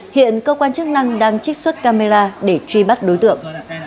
hiện cơ quan chức năng đang trích xuất camera để truy bắt đối tượng